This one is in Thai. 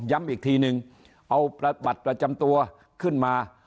อีกทีนึงเอาบัตรประจำตัวขึ้นมา